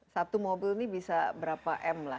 satu mobil ini bisa berapa m lah